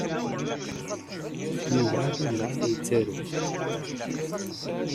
Yuba atan daɣ la yettru.